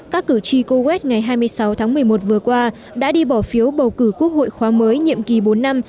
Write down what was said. các cử tri coes ngày hai mươi sáu tháng một mươi một vừa qua đã đi bỏ phiếu bầu cử quốc hội khóa mới nhiệm kỳ bốn năm